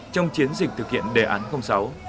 trong chiến dịch thực hiện đề án sáu